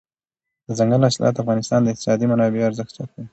دځنګل حاصلات د افغانستان د اقتصادي منابعو ارزښت زیاتوي.